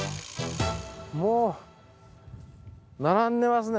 もう並んでますね